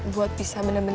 gak bener baik